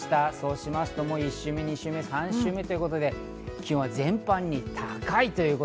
そうしますと、１週目、２週目、３週目ということで、気温は全般に高い。